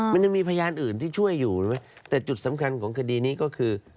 มันยังมีพยานอื่นที่ช่วยอยู่ใช่ไหมแต่จุดสำคัญของคดีนี้ก็คือ